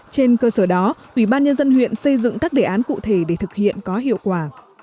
trên cơ sở đó ubnd huyện xây dựng các đề án cụ thể để thực hiện có hiệu quả